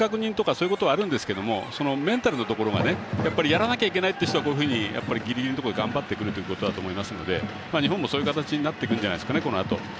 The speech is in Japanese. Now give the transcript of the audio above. そういうところがあるんですがメンタルのところがやらなきゃいけないというところがギリギリのところで頑張っていくということだと思いますので日本もそういう形になっていくんじゃないですかね。